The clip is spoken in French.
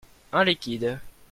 Un liquide.